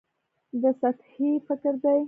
دا سطحي فکر دی.